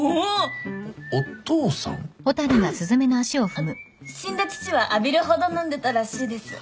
あっ死んだ父は浴びるほど飲んでたらしいです。